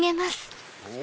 お！